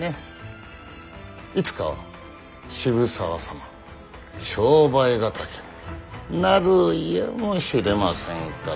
いつかは渋沢様は商売敵になるやもしれませぬから。